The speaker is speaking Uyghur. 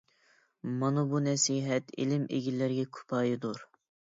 مانا بۇ نەسىھەت بىلىم ئىگىلىرىگە كۇپايىدۇر.